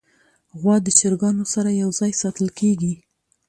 غوا د چرګانو سره یو ځای ساتل کېږي.